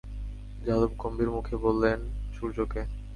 যাদব গম্ভীর মুখে বলেন, সূর্যকে।